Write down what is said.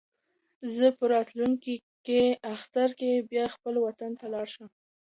زه به په راتلونکي اختر کې بیا خپل وطن ته لاړ شم.